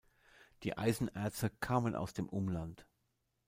Die Eisenerze kamen aus dem Umland.